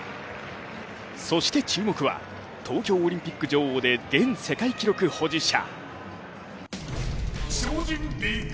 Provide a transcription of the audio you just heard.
そして注目は、東京オリンピック女王で現世界記録保持者。